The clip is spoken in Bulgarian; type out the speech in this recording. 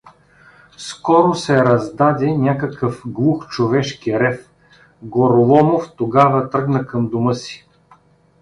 Скоро се раздаде някакъв глух човешки рев… Гороломов тогава тръгна към дома си.